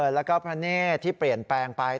แล้วก็พระเนธที่เปลี่ยนแปลงไป